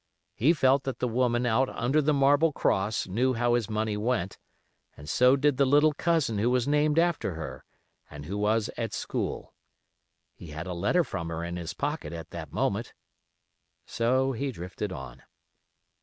He felt that the woman out under the marble cross knew how his money went, and so did the little cousin who was named after her, and who was at school. He had a letter from her in his pocket at that moment. So he drifted on.